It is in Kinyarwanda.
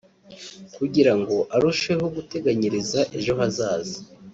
kugirango arusheho guteganyiriza ejo hazaza